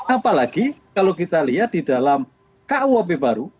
apalagi kalau kita lihat di dalam kuhp baru